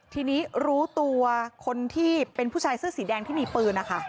ทีนี้รู้ตัวคนที่เป็นผู้ชายเสื้อสีแดงที่มีปืนนะคะ